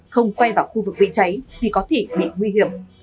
không quay vào khu vực bị cháy thì có thể bị nguy hiểm